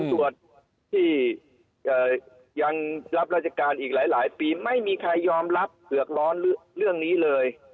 ตรวจที่ยังรับราชการอีกหลายปีไม่มีใครยอมรับเผือกร้อนเรื่องนี้เลย